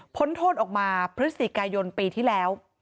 พ้นโทษออกมาพฤษฎีกายนปีที่แล้ว